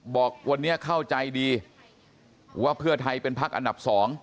บอกวันนี้เข้าใจดีว่าเพื่อไทยเป็นพักอันดับ๒